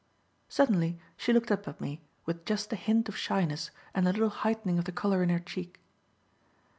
Suddenly she looked up at me with just a hint of shyness and a little heightening of the colour in her cheek.